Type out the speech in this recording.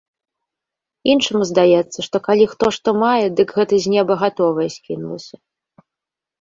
Іншаму здаецца, што калі хто што мае, дык гэта з неба гатовае скінулася.